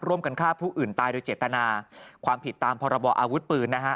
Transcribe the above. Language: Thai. ร่วมกันฆ่าผู้อื่นตายโดยเจตนาความผิดตามพรบออาวุธปืนนะฮะ